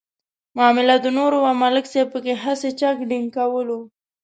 معامله د نور وه ملک صاحب پکې هسې چک ډینک کولو.